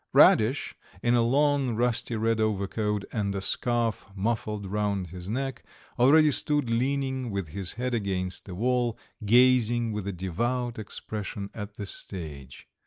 Radish, in a long rusty red overcoat and a scarf muffled round his neck, already stood leaning with his head against the wall, gazing with a devout expression at the stage.